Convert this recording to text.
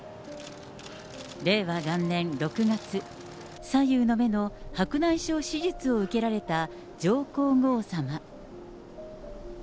令和元年６月、左右の目の白内障手術を受けられた上皇后さま。